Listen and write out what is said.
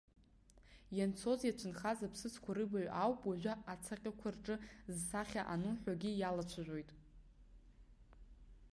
Ианцоз иацәынхаз аԥсыӡқәа рыбаҩ ауп уажәы ацаҟьақәа рҿы зсахьа ану ҳәагьы иалацәажәоит.